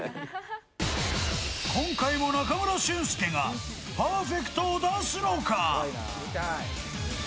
今回も中村俊輔がパーフェクトを出すのか。